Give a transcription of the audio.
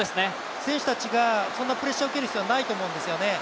選手たちがそんなプレッシャーを受ける必要はないと思うんですよね。